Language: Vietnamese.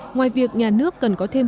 ngoài việc nhà nước cần có thêm